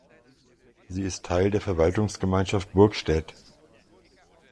Sie ist Teil der Verwaltungsgemeinschaft Burgstädt.